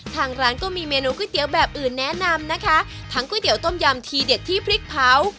ทางร้านก็มีเมนูก๋วยเตี๋ยวแบบอื่นแนะนำนะคะทั้งก๋วยเตี๋ต้มยำทีเด็ดที่พริกเผา